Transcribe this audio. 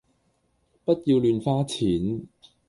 不要亂花錢